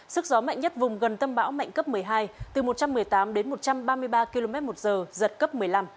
sức gió mạnh nhất vùng gần tâm bão mạnh cấp một mươi hai từ một trăm một mươi tám đến một trăm ba mươi ba km một giờ giật cấp một mươi năm